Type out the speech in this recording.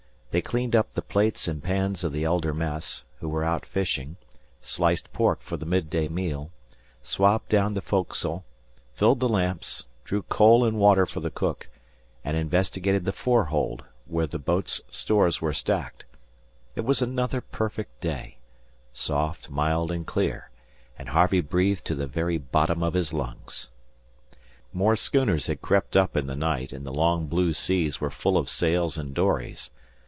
They cleaned up the plates and pans of the elder mess, who were out fishing, sliced pork for the midday meal, swabbed down the foc'sle, filled the lamps, drew coal and water for the cook, and investigated the fore hold, where the boat's stores were stacked. It was another perfect day soft, mild, and clear; and Harvey breathed to the very bottom of his lungs. More schooners had crept up in the night, and the long blue seas were full of sails and dories.